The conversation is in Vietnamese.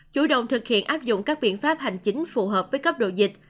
chủ động thực hiện áp dụng các biện pháp hành chính phù hợp với cấp độ dịch